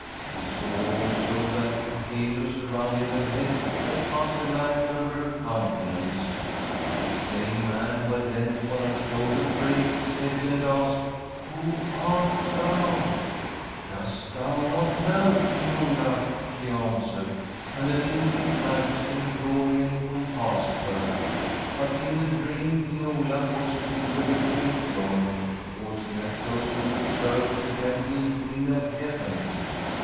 He saw also that a halo surrounded her head that cast a light over her countenance. But the slain man who leant upon her shoulder raised his head, and asked :' Who art thou ?' SIGRID STORRADE 'Dost thou not know, King Olaf?' she an swered; and an infinite majesty and glory encompassed her. But in the dream King Olaf was filled with a great joy because he had chosen to serve the gentle Queen of Heaven.